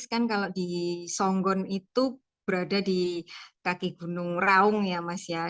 kan kalau di songgon itu berada di kaki gunung raung ya mas ya